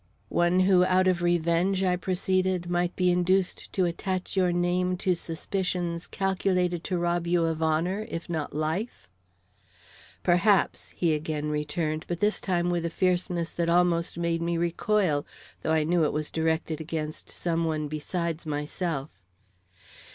"One who out of revenge," I proceeded, "might be induced to attach your name to suspicions calculated to rob you of honor, if not life?" "Perhaps," he again returned; but this time with a fierceness that almost made me recoil, though I knew it was directed against some one besides myself.